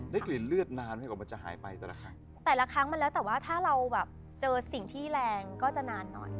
กลิ่นเลือดนานไหมกว่ามันจะหายไปแต่ละครั้งแต่ละครั้งมันแล้วแต่ว่าถ้าเราแบบเจอสิ่งที่แรงก็จะนานหน่อย